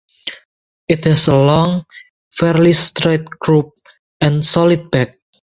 It has a long, fairly straight croup and solid back.